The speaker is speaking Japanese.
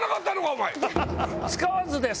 お前使わずですって！